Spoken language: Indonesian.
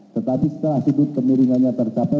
tetapi setelah sudut pemiringannya tercapai